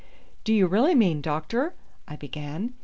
do you really mean, doctor " I began.